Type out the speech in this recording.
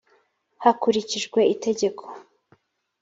hakurikijwe itegeko